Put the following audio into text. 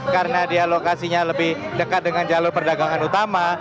karena dia lokasinya lebih dekat dengan jalur perdagangan utama